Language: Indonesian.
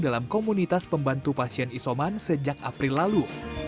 dalam komunitas pembantu pasien isoman sejak april lalu